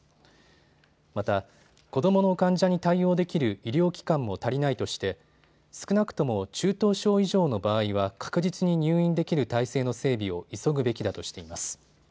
また、子どもの患者に対応できる医療機関も足りないとして少なくとも中等症以上の場合は確実に入院できる体制の整備を急ぐべきだとしています。